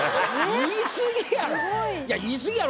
「言い過ぎやろ」